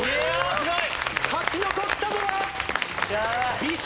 すごい！